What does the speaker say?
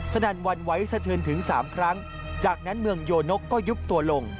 นั่นหวั่นไหวสะเทินถึง๓ครั้งจากนั้นเมืองโยนกก็ยุบตัวลง